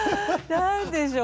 何でしょう。